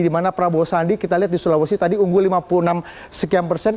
dimana prabowo sandi kita lihat di sulawesi tadi unggul lima puluh enam sekian persen